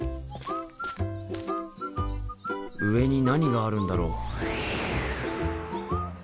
上に何があるんだろ？